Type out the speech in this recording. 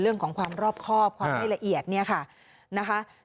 เรื่องของความรอบครอบความไม่ละเอียดเนี่ยค่ะนะคะ